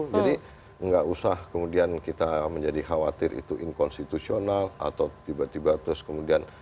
jadi nggak usah kemudian kita menjadi khawatir itu inkonstitusional atau tiba tiba terus kemudian